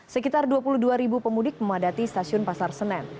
sekitar dua puluh dua ribu pemudik memadati stasiun pasar senen